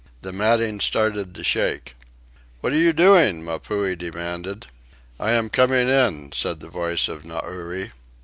The matting started to shake. "What are you doing?" Mapuhi demanded. "I am coming in," said the voice of Nauri.